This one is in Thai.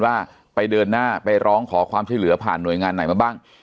ว่าไปเดินหน้าไปร้องขอความช่วยเหลือผ่านหน่วยงานไหนมาบ้าง